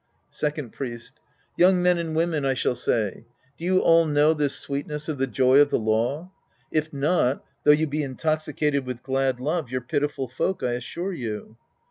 Second Priest. Young men and women, I shall say. Do you all know this sweetness of the joy of the law? If not, though you be intoxicated with glad love, you're pitiful folk, I assure you.